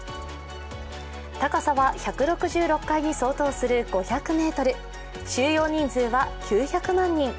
高さは１６６階に相当する５００ｍ収容人数は９００万人。